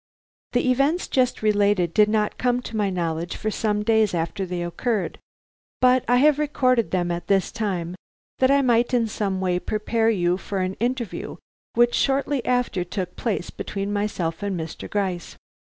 The events just related did not come to my knowledge for some days after they occurred, but I have recorded them at this time that I might in some way prepare you for an interview which shortly after took place between myself and Mr. Gryce.